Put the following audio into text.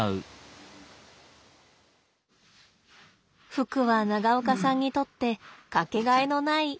ふくは長岡さんにとって掛けがえのない癒やし。